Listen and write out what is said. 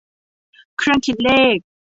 เครื่องคิดเลข